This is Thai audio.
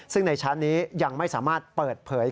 ซึ่งในชั้นนี้ยังไม่สามารถเปิดเผย